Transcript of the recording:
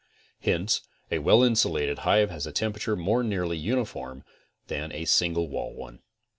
Hence a well insulated hive has a temperature more nearly uni form than a single wall one.